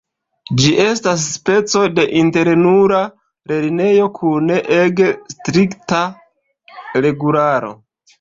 Ĝi estas speco de internula lernejo kun ege strikta regularo.